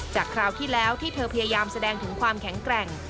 คราวที่แล้วที่เธอพยายามแสดงถึงความแข็งแกร่ง